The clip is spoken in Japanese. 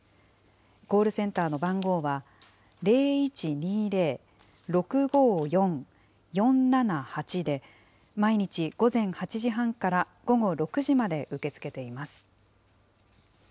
コールセンターの番号は、０１２０ー６５４ー４７８で、毎日午前８時半から午後６時まで受け付けています。